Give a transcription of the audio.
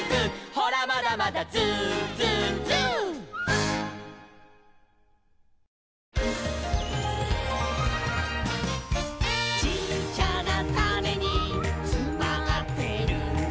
「ほらまだまだＺｏｏＺｏｏＺｏｏ」「ちっちゃなタネにつまってるんだ」